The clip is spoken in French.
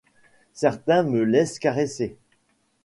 Certains se laissent caresser.